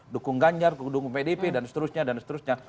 dukung ganjar dukung pdp dan seterusnya